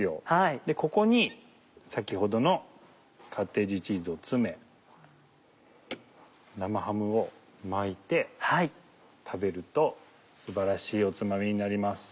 ここに先ほどのカッテージチーズを詰め生ハムを巻いて食べると素晴らしいおつまみになります。